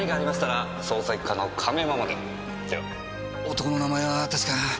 男の名前は確か。